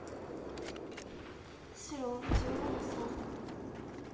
白１５の三。